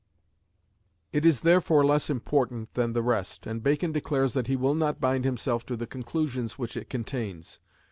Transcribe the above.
It is therefore less important than the rest, and Bacon declares that he will not bind himself to the conclusions which it contains.